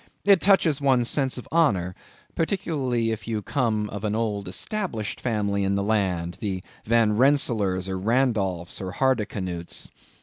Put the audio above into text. It touches one's sense of honor, particularly if you come of an old established family in the land, the Van Rensselaers, or Randolphs, or Hardicanutes.